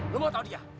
lo mau tau dia